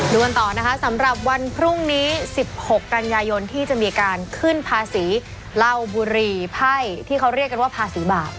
กันต่อนะคะสำหรับวันพรุ่งนี้๑๖กันยายนที่จะมีการขึ้นภาษีเหล้าบุรีไพ่ที่เขาเรียกกันว่าภาษีบาป